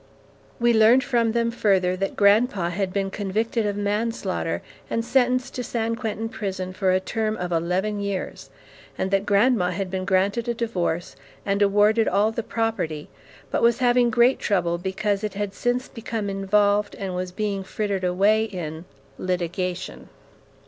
We learned from them further that grandpa had been convicted of manslaughter and sentenced to San Quentin Prison for a term of eleven years, and that grandma had been granted a divorce, and awarded all the property, but was having great trouble because it had since become involved and was being frittered away in litigation.